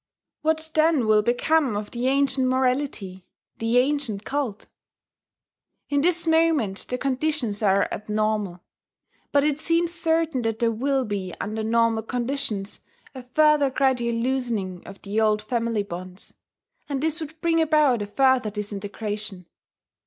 What then will become of the ancient morality? the ancient cult? In this moment the conditions are abnormal. But it seems certain that there will be, under normal conditions, a further gradual loosening of the old family bonds; and this would bring about a further disintegration.